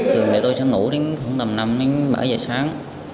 từ ngày tôi sẽ ngủ đến khoảng tầm năm đến bảy giờ sáng